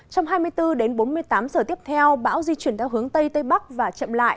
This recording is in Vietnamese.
trong hai mươi bốn đến bốn mươi tám giờ tiếp theo bão di chuyển theo hướng tây tây bắc và chậm lại